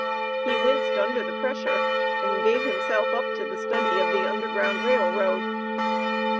He winced under the pressure, and gave himself up to the study of the Underground Rail Road.